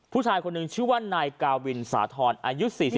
ผู้ชายคนหนึ่งชื่อว่านายกาวินสาธรณ์อายุ๔๒